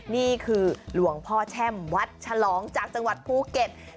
นี่คือหลวงพ่อแช่มวัดฉลองจากจังหวัดภูเก็ต